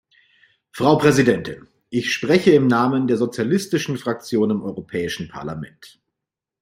Frau Präsidentin, ich spreche im Namen der sozialistischen Fraktion im Europäischen Parlament.